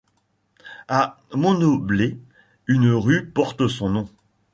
À Monoblet, une rue porte son nom.